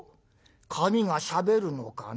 紙がしゃべるのかな？